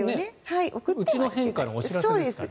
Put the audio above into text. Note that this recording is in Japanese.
うちの変化のお知らせですから。